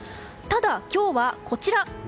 ただ、今日はこちら。